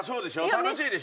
楽しいでしょ？